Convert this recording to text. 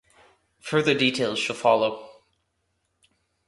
Further details shall follow.